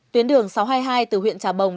tuyến đường sáu trăm hai mươi hai từ huyện trà bồng